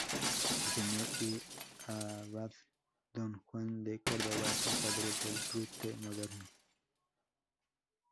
El señor y abad don Juan de Córdoba es el padre del Rute moderno.